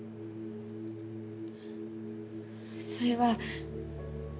それは。